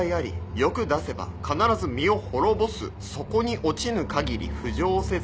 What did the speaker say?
欲出せば必ず身を滅ぼす」「底に堕ちぬ限り浮上せず」